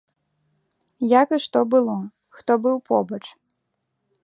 Як і што было, хто быў побач.